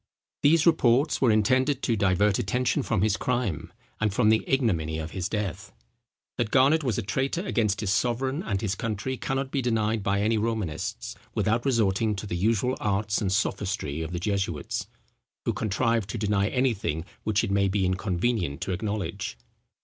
These reports were intended to divert attention from his crime, and from the ignominy of his death. That Garnet was a traitor against his sovereign and his country, cannot be denied by any Romanists, without resorting to the usual arts and sophistry of the jesuits, who contrive to deny anything which it may be inconvenient to acknowledge.